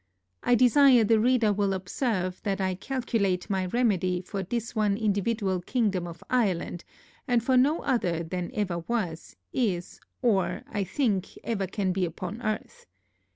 I desire the reader will observe, that I calculate my remedy for this one individual Kingdom of Ireland, and for no other that ever was, is, or, I think, ever can be upon Earth.